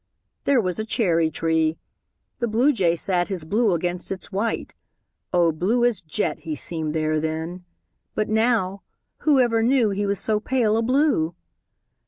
There was a cherry tree. The Bluejay sat His blue against its white O blue as jet He seemed there then! But now Whoever knew He was so pale a blue!